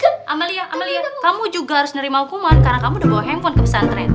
eh amalia amalia kamu juga harus menerima hukuman karena kamu udah bawa handphone ke pesantren